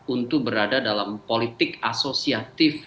untuk berada dalam politik asosiatif